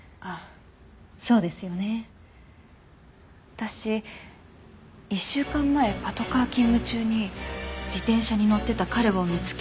私１週間前パトカー勤務中に自転車に乗ってた彼を見つけて。